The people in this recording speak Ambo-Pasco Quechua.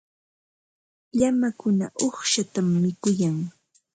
Llamakuna uqshatam mikuyan.